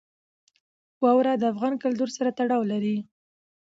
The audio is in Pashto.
واوره د افغان کلتور سره تړاو لري.